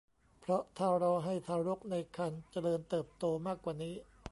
เพราะถ้ารอให้ทารกในครรภ์เจริญเติบโตมากกว่านี้